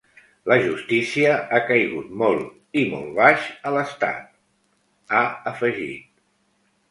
La justícia ha caigut molt i molt baix a l’estat, ha afegit.